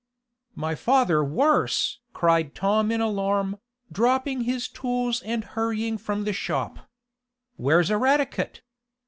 "My father worse!" cried Tom in alarm, dropping his tools and hurrying from the shop. "Where's Eradicate?